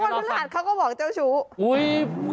พฤหัสเขาก็บอกเจ้าชู้